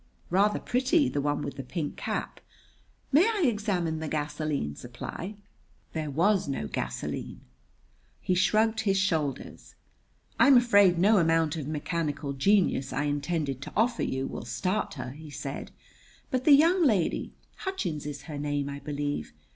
"Rather pretty, the one with the pink cap. May I examine the gasoline supply?" There was no gasoline. He shrugged his shoulders. "I'm afraid no amount of mechanical genius I intended to offer you will start her," he said; "but the young lady Hutchins is her name, I believe?